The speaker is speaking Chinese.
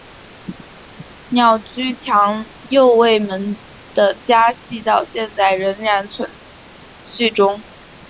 鸟居强右卫门的家系到现在仍然存续中。